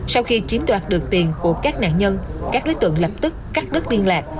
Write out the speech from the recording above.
sau khi chiếm đoạt được tiền của các nạn nhân các đối tượng lập tức cắt đứt liên lạc